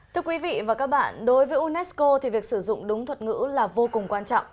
thưa quý vị và các bạn đối với unesco thì việc sử dụng đúng thuật ngữ là vô cùng quan trọng